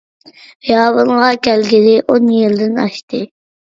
ياپونغا كەلگىلى ئون يىلدىن ئاشتى.